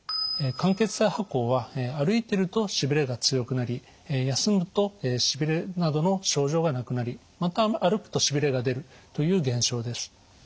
間欠性跛行は歩いてるとしびれが強くなり休むとしびれなどの症状がなくなりまた歩くとしびれが出るという現象です。